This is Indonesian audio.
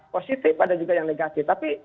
positif ada juga yang negatif tapi